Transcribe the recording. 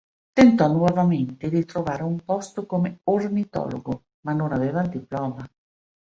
Tentò nuovamente di trovare un posto come ornitologo, ma non aveva il diploma.